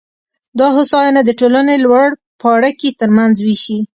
دا هوساینه د ټولنې لوړ پاړکي ترمنځ وېشي